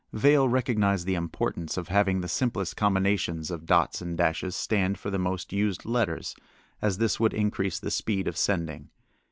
Vail recognized the importance of having the simplest combinations of dots and dashes stand for the most used letters, as this would increase the speed of sending.